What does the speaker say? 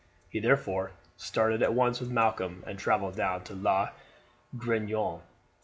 He therefore started at once with Malcolm and travelled down to La Grenouille.